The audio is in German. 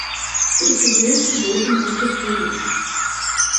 Sie ist die größte Bogenbrücke Polens.